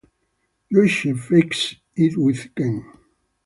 Joeshe fakes it with Ken.